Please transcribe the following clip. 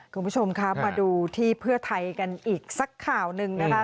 คุณผู้ชมครับมาดูที่เพื่อไทยกันอีกสักข่าวหนึ่งนะคะ